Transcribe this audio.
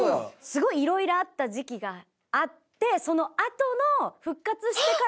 すごいいろいろあった時期があってそのあとの復活してからのロケ。